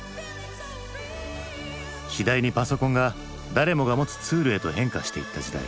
次第にパソコンが誰もが持つツールへと変化していった時代。